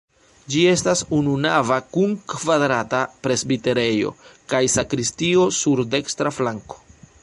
Ĝi estas ununava kun kvadrata presbiterejo kaj sakristio sur dekstra flanko.